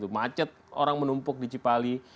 macet orang menumpuk di cipali